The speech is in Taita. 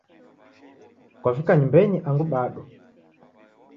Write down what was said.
Kwavika nyumbenyi angu bado.